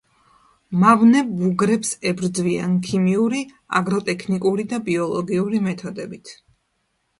მავნე ბუგრებს ებრძვიან ქიმიური, აგროტექნიკური და ბიოლოგიური მეთოდებით.